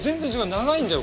長いんだよ